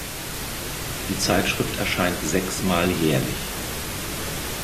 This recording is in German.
Die Zeitschrift erscheint sechsmal jährlich.